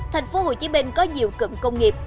thành phố hồ chí minh có nhiều cụm công nghiệp